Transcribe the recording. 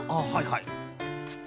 はいはい。